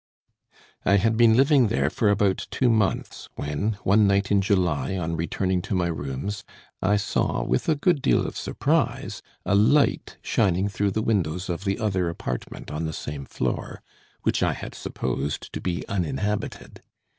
"I had been living there for about two months when, one night in July on returning to my rooms, I saw with a good deal of surprise a light shining through the windows of the other apartment on the same floor, which I had supposed to be uninhabited.